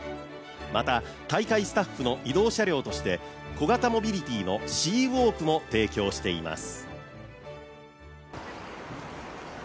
また大会スタッフの移動車両として小型モビリティのＣ＋ｗａｌｋも提供しています。